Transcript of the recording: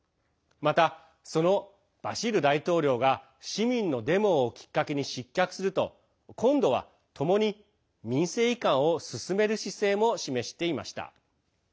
そのバシール大統領が、市民のデモをきっかけに失脚すると今度は、ともに民政移管を進める姿勢も示していました。